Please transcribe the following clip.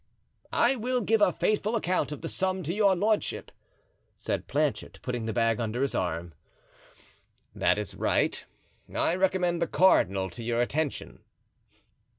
"I will give a faithful account of the sum to your lordship," said Planchet, putting the bag under his arm. "That is right; I recommend the cardinal to your attention."